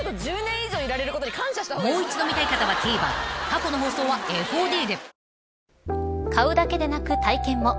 ［もう一度見たい方はＴＶｅｒ過去の放送はＦＯＤで］